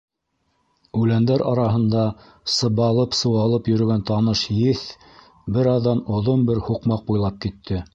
Үләндәр араһында сыбалып-сыуалып йөрөгән таныш еҫ бер аҙҙан оҙон бер һуҡмаҡ буйлап китте.